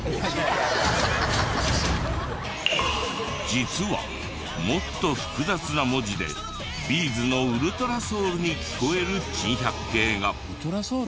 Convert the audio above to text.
実はもっと複雑な文字でＢ’ｚの『ｕｌｔｒａｓｏｕｌ』に聞こえる珍百景が。